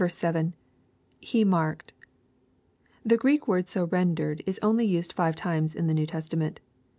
— [He markedA The Greek word so rendered is only used five times in the New Testament.